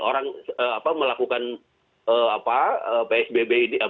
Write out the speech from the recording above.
orang melakukan psbb ini